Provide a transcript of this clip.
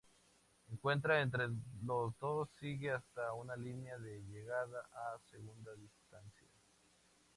La carrera entre los dos sigue hasta una línea de llegada a alguna distancia.